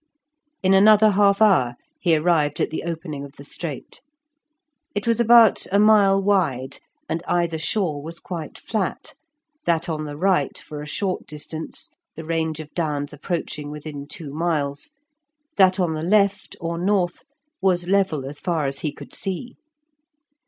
In another half hour he arrived at the opening of the strait; it was about a mile wide, and either shore was quite flat, that on the right for a short distance, the range of downs approaching within two miles; that on the left, or north, was level as far as he could see.